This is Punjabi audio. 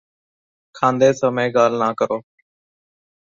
ਖਾਂਦੇ ਸਮੇਂ ਗੱਲਾਂ ਨਾ ਕਰੋਂ